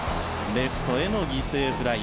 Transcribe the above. レフトへの犠牲フライ。